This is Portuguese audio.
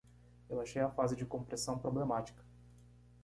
Eu achei a fase de compressão problemática.